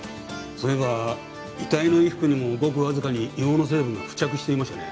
そういえば遺体の衣服にもごくわずかに硫黄の成分が付着していましたね。